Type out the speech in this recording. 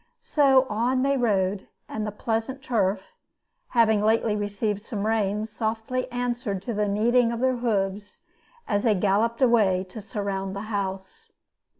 So on they rode, and the pleasant turf (having lately received some rain) softly answered to the kneading of their hoofs as they galloped away to surround the house.